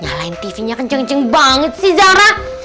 nyalain tv nya kenceng kenceng banget sih zara